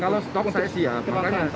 kalau stok saya siap